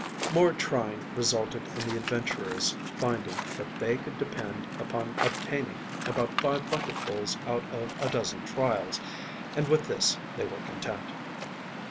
More trying resulted in the adventurers finding that they could depend upon obtaining about five bucketfuls out of a dozen trials, and with this they were content.